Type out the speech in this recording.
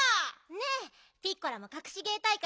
ねえピッコラもかくし芸大会出るでしょ？